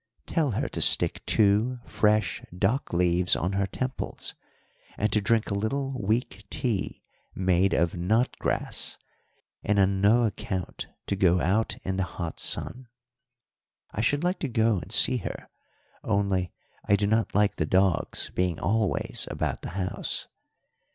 'Tell her to stick two fresh dock leaves on her temples, and to drink a little weak tea made of knot grass, and on no account to go out in the hot sun. I should like to go and see her, only I do not like the dogs being always about the house.